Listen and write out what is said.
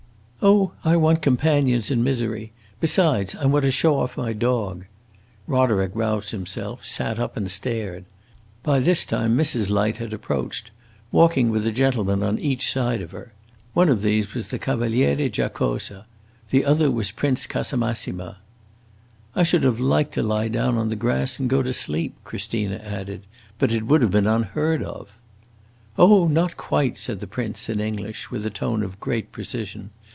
"Oh, I want companions in misery! Besides, I want to show off my dog." Roderick roused himself, sat up, and stared. By this time Mrs. Light had approached, walking with a gentleman on each side of her. One of these was the Cavaliere Giacosa; the other was Prince Casamassima. "I should have liked to lie down on the grass and go to sleep," Christina added. "But it would have been unheard of." "Oh, not quite," said the Prince, in English, with a tone of great precision.